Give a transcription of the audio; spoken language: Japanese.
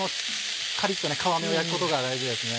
カリっと皮目を焼くことが大事ですね。